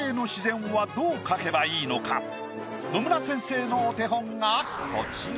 野村先生のお手本がこちら。